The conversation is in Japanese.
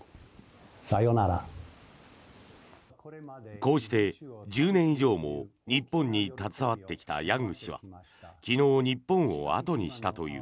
こうして、１０年以上も日本に携わってきたヤング氏は昨日、日本を後にしたという。